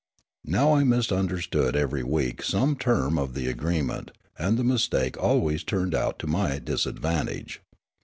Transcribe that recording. Now I misunderstood every week some term of the agreement, and the mistake always turned out to my disadvantage.